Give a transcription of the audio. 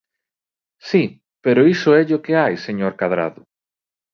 Si, pero iso élle o que hai, señor Cadrado.